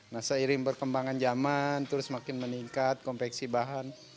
nah seiring perkembangan zaman terus makin meningkat konveksi bahan